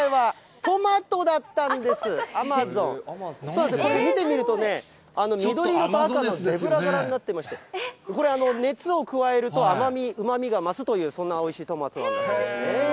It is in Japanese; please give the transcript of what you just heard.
さあ、これ見てみるとね、緑色と赤のゼブラ柄になっていまして、これ、熱を加えると、甘み、うまみが増すという、そんなおいしいトマトなんですね。